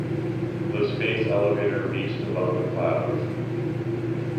The space elevator reached above the clouds.